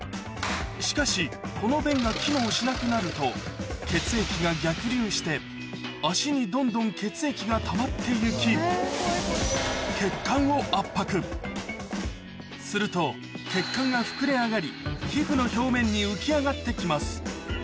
しかしこの弁が機能しなくなると血液が逆流して足にどんどん血液がたまって行き血管をすると血管が膨れ上がり皮膚の表面に浮き上がって来ます